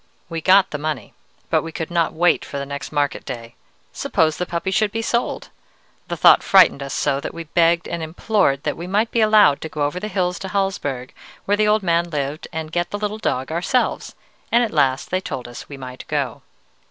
"We got the money, but we could not wait for the next market day. Suppose the puppy should be sold! The thought frightened us so that we begged and implored that we might be allowed to go over the hills to Hallsberg where the old man lived, and get the little dog ourselves, and at last they told us we might go.